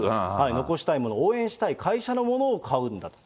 残したいもの、応援したい会社のものを買うんだと。